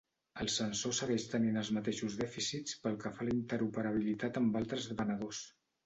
El sensor segueix tenint els mateixos dèficits pel que fa a la interoperabilitat amb altres venedors?